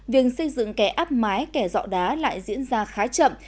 việc xây dựng kẻ áp mái kẻ dọ đá lại diễn ra khá chậm